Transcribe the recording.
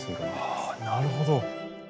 ああなるほど！